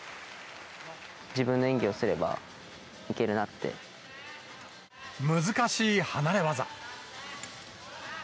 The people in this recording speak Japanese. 自分の演技をすれば、いける難しい離れ技。